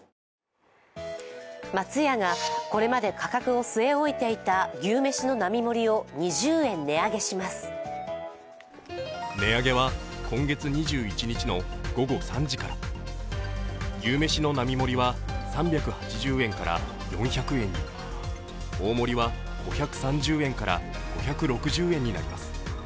松屋がこれまで価格を据え置いていた牛めしの並盛りを値上げは今月２１日の午後３時から牛めしの並盛は３８０円から４００円に大盛は５３０円から５６０円になります。